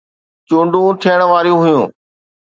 چونڊون ٿيڻ واريون هيون